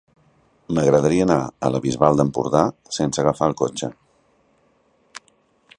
M'agradaria anar a la Bisbal d'Empordà sense agafar el cotxe.